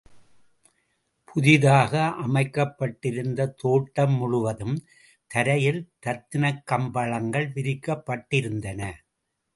புதிதாக அமைக்கப்பட்டிருந்த தோட்டம் முழுவதும் தரையில் ரத்னக் கம்பளங்கள் விரிக்கப் பட்டிருந்தன.